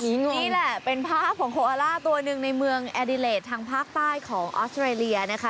นี่แหละเป็นภาพของโคอาล่าตัวหนึ่งในเมืองแอดิเลสทางภาคใต้ของออสเตรเลียนะคะ